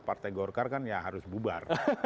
partai golkar kan ya harus bubar